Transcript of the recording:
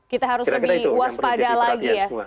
kita harus lebih waspada lagi ya